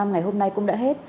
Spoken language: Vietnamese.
ngày hôm nay cũng đã hết